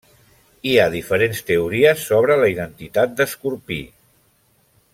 Hi ha diferents teories sobre la identitat d'Escorpí.